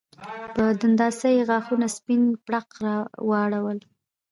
په دنداسه یې غاښونه سپین پړق واړول